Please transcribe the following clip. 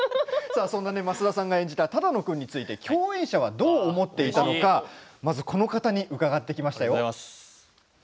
増田さんが演じた只野君について共演者はどう思っていたのかこの方に伺ってきました。